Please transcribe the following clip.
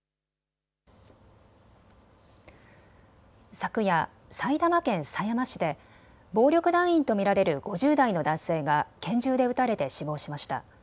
昨夜、埼玉県狭山市で暴力団員と見られる５０代の男性が拳銃で撃たれて死亡しました。